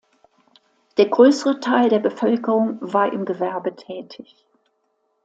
Der größere Teil der Bevölkerung war im Gewerbe tätig.